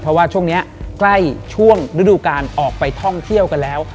เพราะว่าช่วงนี้ใกล้ช่วงฤดูการออกไปท่องเที่ยวกันแล้ว